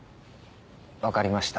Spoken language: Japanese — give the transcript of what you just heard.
分かりました。